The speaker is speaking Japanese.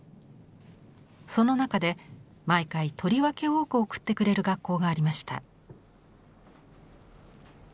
その中で毎回とりわけ多く送ってくれる学校がありました。